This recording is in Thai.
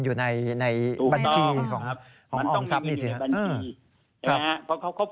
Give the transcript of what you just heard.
ทีนี้ปัญหามันก็เลยน่าจะอยู่ในขั้นตอนของ